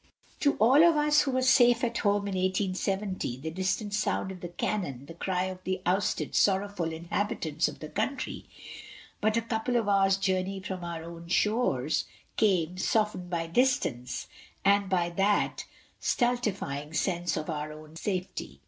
To all of us who were safe at home in 1870, the distant sound of the cannon, the cry of the ousted, sorrowful inhabitants of the country but a couple of hours' journey from our own shores came, softened by distance, and by that stultifying sense of our own safety.